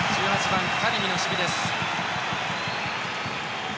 １８番、タレミの守備です。